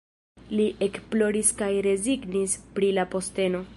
Li ekploris kaj rezignis pri la posteno.